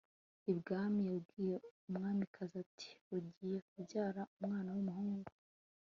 ibwami. yabwiye umwamikazi ati ugiye kubyara umwana w'umuhungu